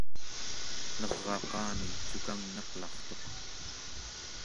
ner'aqami cukangnaq'lartuq